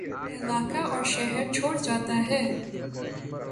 علاقہ اور شہرچھوڑ جاتا ہے